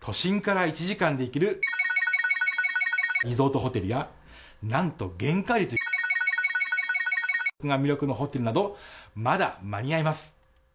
都心から１時間で行ける×××リゾートホテルや、なんと原価率×××が魅力のホテルなど、まだ間に合います。